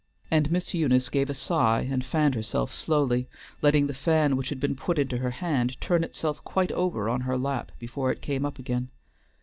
And Miss Eunice gave a sigh, and fanned herself slowly, letting the fan which had been put into her hand turn itself quite over on her lap before it came up again.